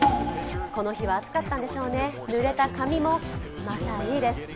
この日は暑かったんでしょうね、濡れた髪も、またいいです。